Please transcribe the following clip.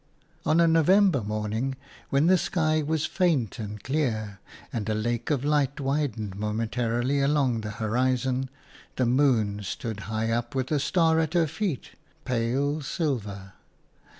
On a November morning, when the sky was faint and clear, and a lake of light widened momentarily along the horizon, the moon stood high up with a star at her feet – pale silver.